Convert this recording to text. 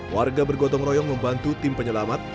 warga bergotong royong membantu tim penyelamat